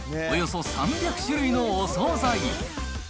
およそ３００種類のお総菜。